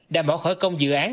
đảm bảo khởi công dự án